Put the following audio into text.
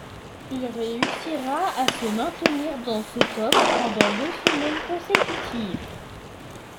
Il réussira à se maintenir dans ce top pendant deux semaines consécutives.